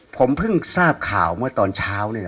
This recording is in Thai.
ผมเพิ่งทราบข่าวเมื่อตอนเช้าเนี่ย